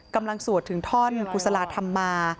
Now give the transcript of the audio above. กำลังสวดถึงท่อนกุศลาธรรมา